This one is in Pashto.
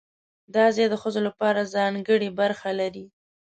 دا ځای د ښځو لپاره ځانګړې برخه لري.